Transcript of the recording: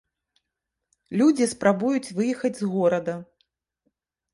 Людзі спрабуюць выехаць з горада.